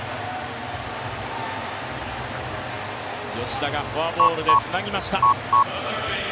吉田がフォアボールでつなぎました。